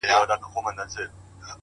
• له سهاره تر ماښامه په ژړا یو,